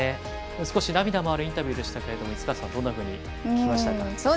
少し涙もあるインタビューでしたが市川さんどんなふうに聞きましたか。